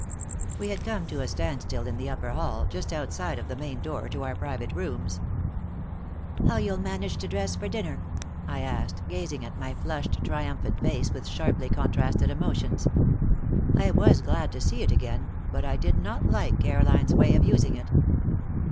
We had come to a standstill in the upper hall, just outside of the main door to our private rooms. "How'll you manage to dress for dinner?" I asked, gazing at my flushed, triumphant face with sharply contrasted emotions. I was glad to see it again, but I did not like Caroline's way of using it.